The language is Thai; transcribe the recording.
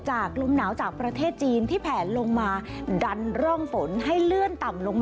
จากลมหนาวจากประเทศจีนที่แผน